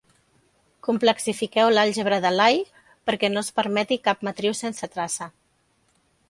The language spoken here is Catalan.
Complexifiqueu l'àlgebra de Lie perquè no es permeti cap matriu sense traça.